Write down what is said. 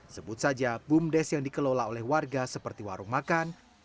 sebut saja bumdes yang dikelola oleh warga seperti warung makan